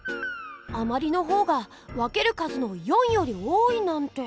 あまりの方が分ける数の４より多いなんて！